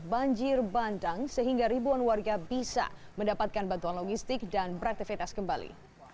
banjir bandang sehingga ribuan warga bisa mendapatkan bantuan logistik dan beraktivitas kembali